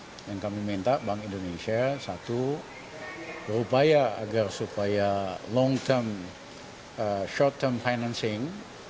dan kami minta bank indonesia satu berupaya agar supaya long term short term financing